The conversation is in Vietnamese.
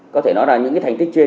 có thể nói là những thành tích trên